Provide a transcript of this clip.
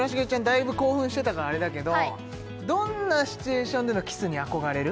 だいぶ興奮してたからあれだけどはいどんなシチュエーションでのキスに憧れる？